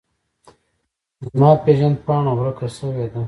زما پیژند پاڼه ورکه سویده